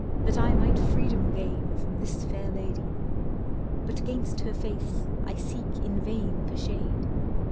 That I might freedom gain from this fair lady. But 'gainst her face I seek in vain for shade.